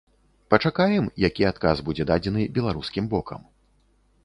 Пачакаем, які адказ будзе дадзены беларускім бокам.